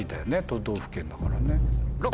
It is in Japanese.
都道府県だからね。